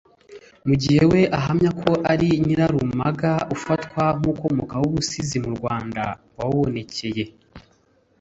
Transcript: mu gihe we ahamya ko ari Nyirarumaga ufatwa nk’ukomokaho ubusizi mu Rwanda wababonekeye